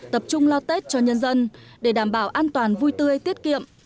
tập trung lo tết cho nhân dân để đảm bảo an toàn vui tươi tiết kiệm